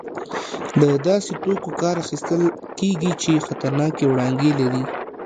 له داسې توکو کار اخیستل کېږي چې خطرناکې وړانګې لري.